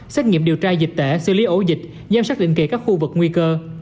xét nghiệm điều tra dịch tễ xử lý ổ dịch giám sát định kỳ các khu vực nguy cơ